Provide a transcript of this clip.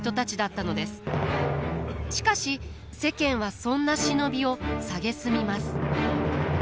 しかし世間はそんな忍びを蔑みます。